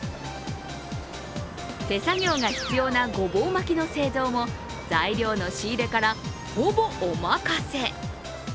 手作業が必要なごぼう巻の製造も、材料の仕入れから、ほぼお任せ。